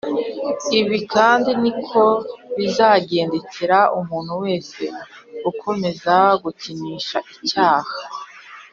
ibi kandi niko bizagendekera umuntu wese ukomeza gukinisha icyaha